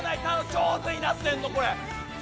上手になってんのこれ。